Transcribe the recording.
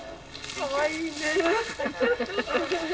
かわいいね。